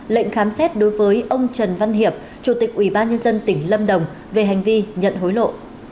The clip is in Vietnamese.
lệnh khám xét đối với ông trần văn hiệp chủ tịch ủy ban nhân dân tỉnh lâm đồng về hành vi nhận hối lộ